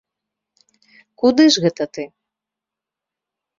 Куды ж гэта ты?